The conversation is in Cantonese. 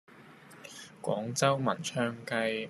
廣州文昌雞